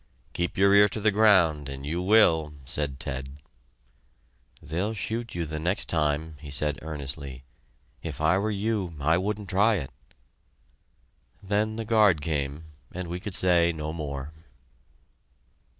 "Keep your ear to the ground and you will!" said Ted. "They'll shoot you the next time," he said earnestly. "If I were you, I wouldn't try it." Then the guard came, and we could say no more.